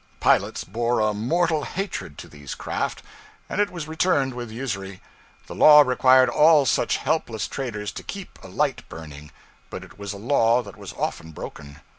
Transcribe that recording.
Pilots bore a mortal hatred to these craft; and it was returned with usury. The law required all such helpless traders to keep a light burning, but it was a law that was often broken.